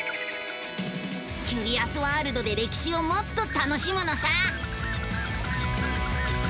キュリアスワールドで歴史をもっと楽しむのさ！